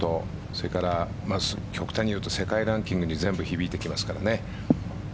それから極端に言うと世界ランキングに全部響いてきますからね。